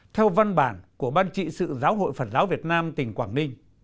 theo văn bản của ban trị sự giáo hội phật giáo việt nam tỉnh quảng ninh